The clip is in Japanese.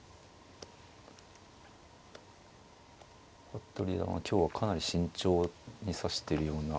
服部四段は今日はかなり慎重に指してるような。